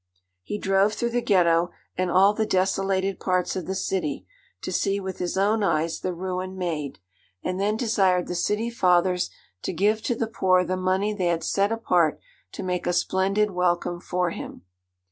He drove through the Ghetto, and all the desolated parts of the city, to see with his own eyes the ruin made; and then desired the city fathers to give to the poor the money they had set apart to make a splendid welcome for him.